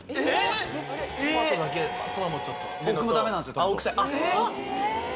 えっ？